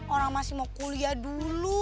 orang masih mau kuliah dulu